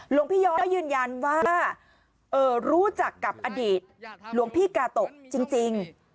หลวงพี่ย้อยก็ยืนยันว่ารู้จักกับอดีตหลวงพี่กาโตะจริง